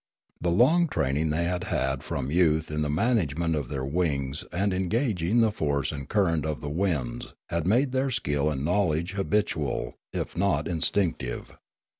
The long training they had had from youth in the management of their wings and in gauging the force and current of the winds had made their skill and knowledge habitual, if not instinctive.